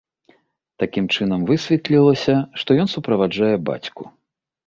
Такім чынам, высветлілася, што ён суправаджае бацьку.